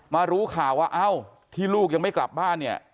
รู้ข่าวว่าเอ้าที่ลูกยังไม่กลับบ้านเนี่ย